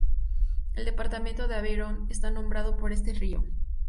El departamento de Aveyron está nombrado por este río.